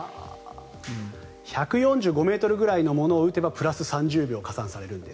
１４５ｍぐらいのものを打てばプラス３０秒加算されるんです。